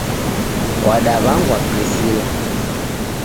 W'adaw'angwa Priscillah